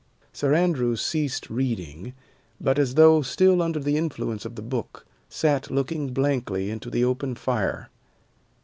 Sir Andrew ceased reading, but, as though still under the influence of the book, sat looking blankly into the open fire.